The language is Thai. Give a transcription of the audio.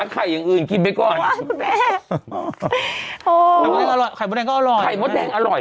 ไข่ม๊อตแดงอร่อย